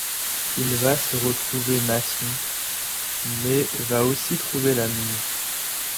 Il va se retrouver maçon… mais va aussi trouver l'amour.